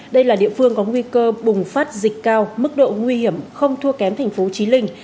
đây là địa phương có nguy cơ bùng phát dịch cao mức độ nguy hiểm không thua kém thành phố trí linh